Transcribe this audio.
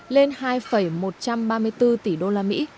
lên hai một trăm ba mươi bốn tỷ usd